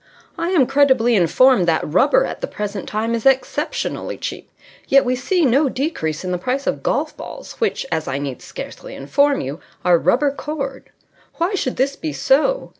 I am credibly informed that rubber at the present time is exceptionally cheap. Yet we see no decrease in the price of golf balls, which, as I need scarcely inform you, are rubber cored. Why should this be so?